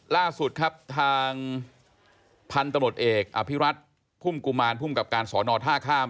ล่าสุดครับทางพันธุ์ตำรวจเอกอภิรัตพุ่มกุมารภูมิกับการสอนอท่าข้าม